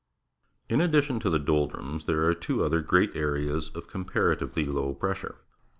In addition to the doldrums, there are two other great areas of comparatively low pressure.